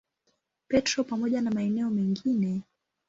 Petro pamoja na maeneo mengine.